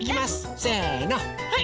せのはい！